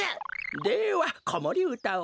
ではこもりうたを。